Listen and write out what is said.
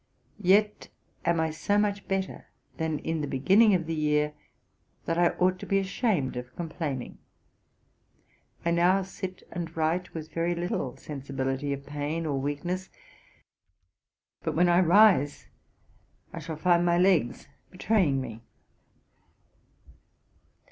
Yet am I so much better than in the beginning of the year, that I ought to be ashamed of complaining. I now sit and write with very little sensibility of pain or weakness; but when I rise, I shall find my legs betraying me.